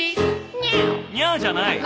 「ニャ」じゃない！